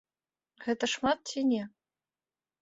Гэта шмат ці не?